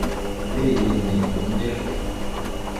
Aydi-nni nnek.